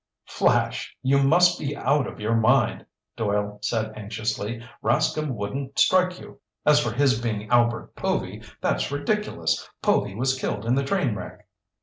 "Flash, you must be out of your mind," Doyle said anxiously. "Rascomb wouldn't strike you. As for his being Albert Povy, that's ridiculous! Povy was killed in the train wreck."